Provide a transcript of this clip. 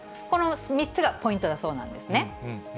この３つがポイントだそうなんですね。